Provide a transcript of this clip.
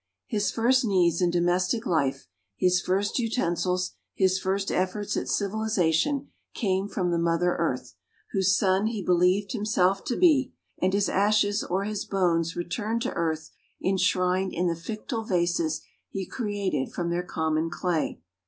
His first needs in domestic life, his first utensils, his first efforts at civilisation, came from the Mother Earth, whose son he believed himself to be, and his ashes or his bones returned to Earth enshrined in the fictile vases he created from their common clay.